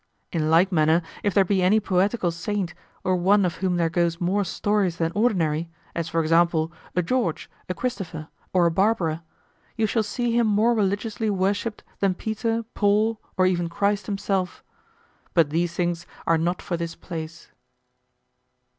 In like manner, if there be any poetical saint, or one of whom there goes more stories than ordinary, as for example, a George, a Christopher, or a Barbara, you shall see him more religiously worshiped than Peter, Paul, or even Christ himself. But these things are not for this place.